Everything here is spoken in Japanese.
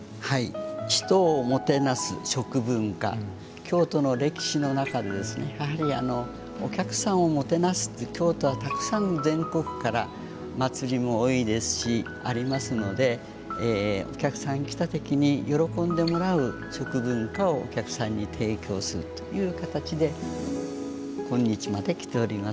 京都の歴史の中でやはりお客さんをもてなすって京都はたくさん全国から祭りも多いですしありますのでお客さん来た時に喜んでもらう食文化をお客さんに提供するという形で今日まで来ております。